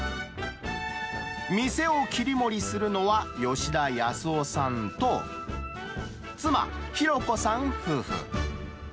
店を切り盛りするのは、吉田保男さんと、妻、弘子さん夫婦。